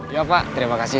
iya pak terima kasih